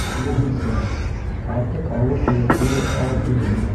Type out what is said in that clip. Киреһенсә, артыҡ ауыр холоҡло, аҙ һүҙле.